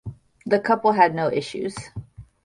The couple had no issue.